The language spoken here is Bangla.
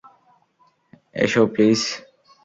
এসো, প্লিজ!